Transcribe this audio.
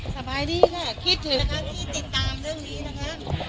สบายดีค่ะคิดถึงนะคะที่ติดตามเรื่องนี้นะคะ